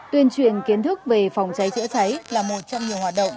tuyên truyền kiến thức về phòng trái trễ cháy là một trong nhiều hoạt động